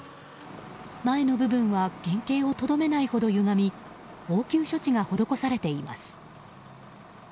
前の部分は原形をとどめないほど歪み応急処置が施されています。